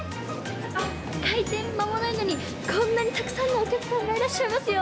開店間もないのにこんなにたくさんのお客さんがいらっしゃいますよ。